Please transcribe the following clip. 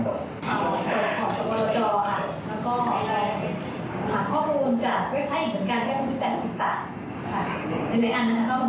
แต่ด้วยความรู้ที่ยังไม่มากกว่ามันก็เหมือนกับการลองผิดลงหุม